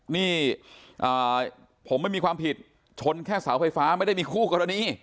นี่ผมไม่มีความผิดชนแค่เสาไฟฟ้าไม่ได้มีคู่กรณี